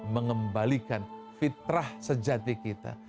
mengembalikan fitrah sejati kita